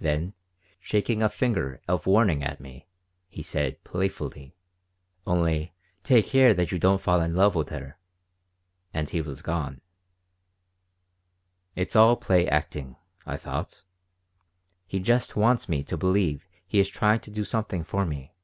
Then, shaking a finger of warning at me, he said, playfully, "Only take care that you don't fall in love with her!" And he was gone "It's all play acting," I thought. "He just wants me to believe he is trying to do something for me."